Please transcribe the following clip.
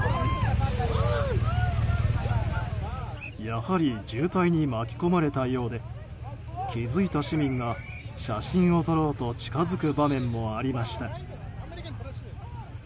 やはり渋滞に巻き込まれたようで気づいた市民が写真を撮ろうと近づく場面もありました。